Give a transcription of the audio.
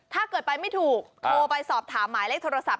ถ้าเกิดไปไม่ถูกโทรไปสอบถามหมายเลขโทรศัพท์